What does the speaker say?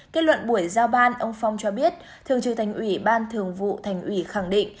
kết luận buổi giao ban ông phong cho biết thường trừ thành ủy ban thường vụ thành ủy khẳng định